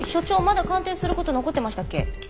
まだ鑑定する事残ってましたっけ？